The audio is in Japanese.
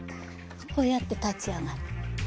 こうやって立ち上がる。